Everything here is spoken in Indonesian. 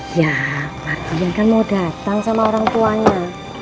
iya mardian kan mau datang sama orang tuanya